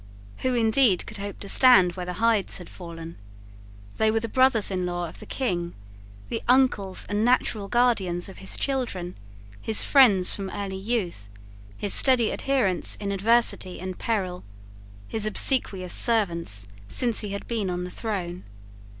Who indeed could hope to stand where the Hydes had fallen? They were the brothers in law of the King, the uncles and natural guardians of his children, his friends from early youth, his steady adherents in adversity and peril, his obsequious servants since he had been on the throne.